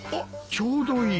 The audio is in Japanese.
ちょうどいい。